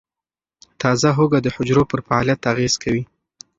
تازه هوږه د حجرو پر فعالیت اغېز کوي.